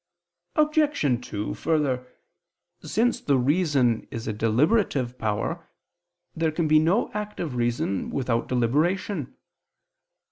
Obj. 2: Further, since the reason is a deliberative power, there can be no act of reason without deliberation.